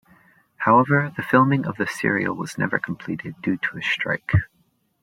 However, the filming of the serial was never completed due to a strike.